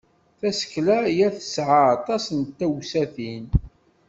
Tasekla-ya tesɛa aṭas n tewsatin.